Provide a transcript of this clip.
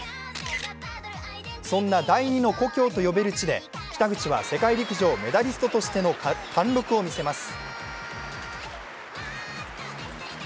そんな第２の故郷と呼べる地で北口は世界陸上メダリストとしての貫禄を見せます。